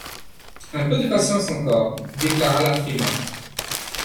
Un peu de patience encore, déclara la Frimat.